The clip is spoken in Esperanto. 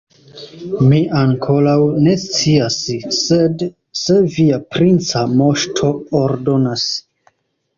Mi ankoraŭ ne scias; sed se via princa moŝto ordonas.